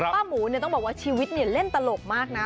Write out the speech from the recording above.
ป้าหมูเนี่ยต้องบอกว่าชีวิตเนี่ยเล่นตลกมากนะ